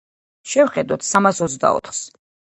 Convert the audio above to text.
შევხედოთ სამას ოცდაოთხს.